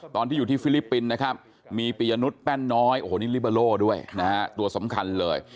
ตอนที่อยู่ที่ฟิลิปปินส์นะครับมีปียนุษยแป้นน้อยโอ้โหนี่ลิเบอร์โล่ด้วยนะฮะตัวสำคัญเลย